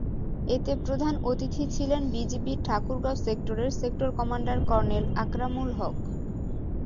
এতে প্রধান অতিথি ছিলেন বিজিবির ঠাকুরগাঁও সেক্টরের সেক্টর কমান্ডার কর্নেল আকরামুল হক।